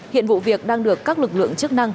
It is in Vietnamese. hiện vụ việc đang được các lực lượng chức năng